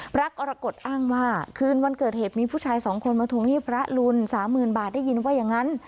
พระกรกฎอ้างว่าคืนวันเกิดเหตุมีผู้ชายสองคนมาทวงหนี้พระรุน๓๐๐๐บาทได้ยินว่าอย่างนั้น